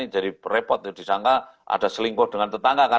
jadi repot disangka ada selingkuh dengan tetangga